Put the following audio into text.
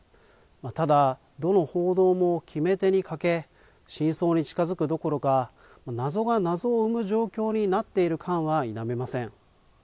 ただ、どの報道も決め手に欠け、真相に近づくどころか、謎が謎を生む状況になっている感は否めません。